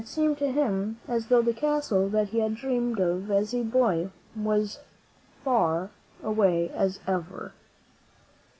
seemed to him as though the castle that he had dreamed of as a boy was as far away as ever.